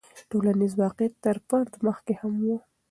ټولنیز واقعیت تر فرد مخکې هم و.